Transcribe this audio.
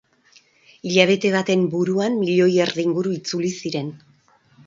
Hilabete baten buruan milioi erdi inguru itzuli ziren.